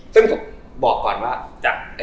ซึ่งผมบอกก่อนว่าจาก